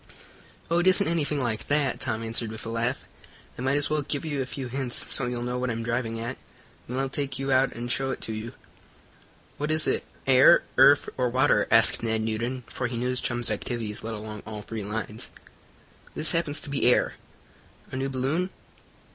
"Oh, it isn't anything like that," Tom answered with a laugh. "I might as well give you a few hints, so you'll know what I'm driving at. Then I'll take you out and show it to you." "What is it air, earth or water?" asked Ned Newton, for he knew his chum's activities led along all three lines. "This happens to be air." "A new balloon?"